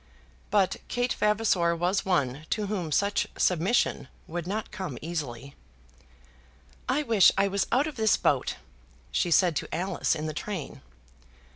But Kate Vavasor was one to whom such submission would not come easily. "I wish I was out of this boat," she said to Alice in the train.